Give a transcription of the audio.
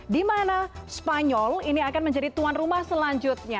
di mana spanyol ini akan menjadi tuan rumah selanjutnya